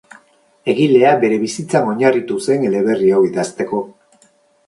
Egilea bere bizitzan oinarritu zen eleberri hau idazteko.